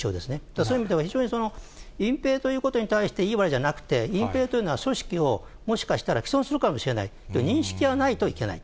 そういう意味では、非常に隠蔽ということに対していい悪いじゃなくて、隠蔽というのは組織をもしかしたらきそんするかもしれないという認識がないといけない。